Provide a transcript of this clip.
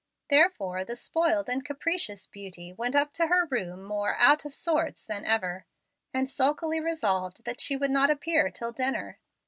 Therefore the spoiled and capricious beauty went up to her room more "out of sorts" than ever, and sulkily resolved that she would not appear till dinner.